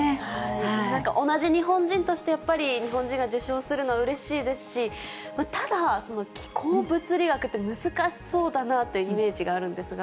なんか同じ日本人として、やっぱり、日本人が受賞するのはうれしいですし、ただ、その気候物理学って難しそうだなっていうイメージがあるんですが。